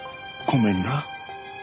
ごめんな。